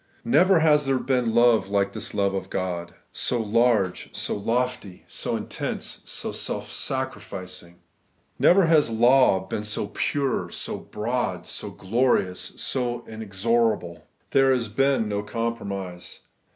Never has there been love like this love of God ; so large, so lofty, so intense, so self sacrificing. Never has law been seen so pure, so broad, so glorious, so inexorable. There has been no compromise.